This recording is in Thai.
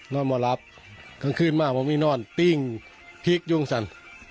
นอนมารับกลางคืนมาผมไม่นอนติ้งพลิกยุ่งสั่น